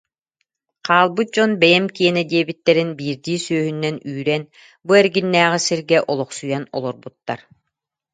Хаалбыт дьон бэйэм киэнэ диэбиттэрин биирдии сүөһүнэн үүрэн бу эргиннээҕи сиргэ олохсуйан олорбуттар